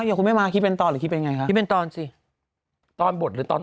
อย่างคุณแม่มาคิดเป็นตอนหรือคิดเป็นไงคะคิดเป็นตอนสิตอนบทหรือตอน